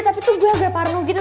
tapi tuh gue agak parno gitu